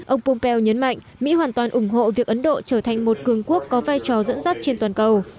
ông pompeo nhấn mạnh mỹ hoàn toàn ủng hộ việc ấn độ trở thành một cường quốc có vai trò dẫn dắt trên toàn cầu